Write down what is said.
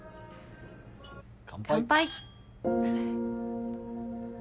乾杯！